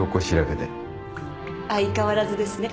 相変わらずですね。